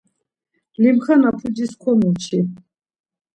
Limxana pucis konurçi.